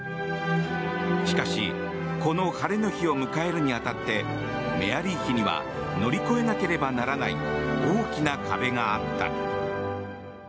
しかし、この晴れの日を迎えるに当たってメアリー妃には乗り越えなければならない大きな壁があった。